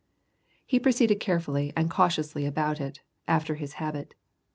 ] He proceeded carefully and cautiously about it, after his habit.